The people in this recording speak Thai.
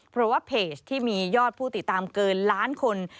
เพราะว่าเพจที่มียอดผู้ติดตามเกินล้านคน